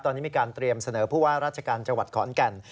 ตอนนี้มีการเตรียมเสนอผู้ว่าราชการจังหวัดขอนแก่น